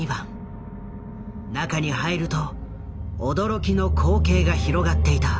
中に入ると驚きの光景が広がっていた。